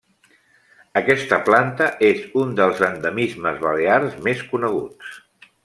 Aquesta planta és un dels endemismes balears més coneguts.